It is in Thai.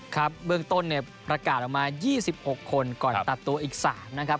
ครับเบื้องต้นเนี่ยประกาศออกมา๒๖คนก่อนตัดตัวอีก๓นะครับ